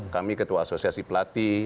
kami ketua asosiasi pelatih